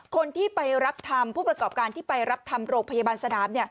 คนที่ไปรับทำผู้ประกอบการที่ไปรับทำโรงพยาบาลสนาม